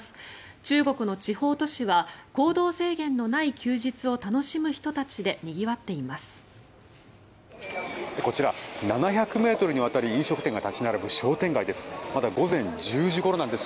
中国の地方都市は行動制限のない休日を楽しむ人たちでにぎわっています。